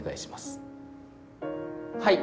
はい。